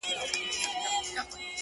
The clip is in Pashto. د ښویېدلي سړي لوري د هُدا لوري!!